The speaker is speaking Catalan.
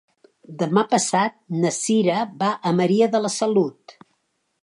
Demà passat na Cira va a Maria de la Salut.